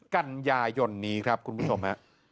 กันยายนนี้ครับคุณผู้ชมฮะ